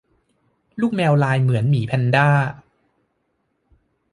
ลูกแมวลายเหมือนหมีแพนด้า